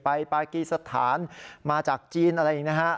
ไปปากีสถานมาจากจีนอะไรอีกนะฮะ